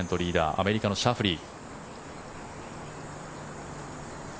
アメリカのシャフリー。